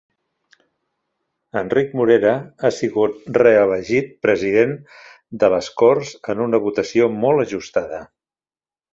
Enric Morera ha sigut reelegit president de les Corts en una votació molt ajustada